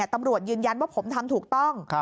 ตำรวจยืนยันว่าผมทำถูกต้อง